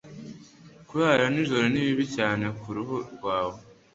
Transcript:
Kurara nijoro ni bibi cyane kuruhu rwawe